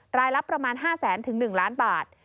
รายละประมาณ๕แสนถึง๑ล้านบาท